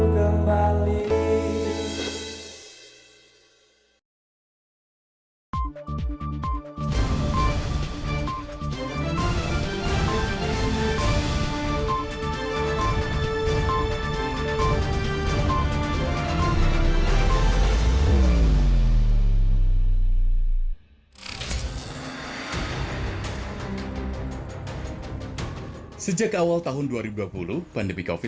agar pandemi ini cepat pergi